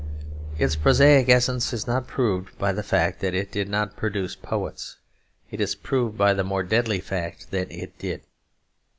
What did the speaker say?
Its prosaic essence is not proved by the fact that it did not produce poets: it is proved by the more deadly fact that it did.